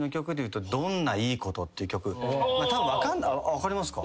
分かりますか？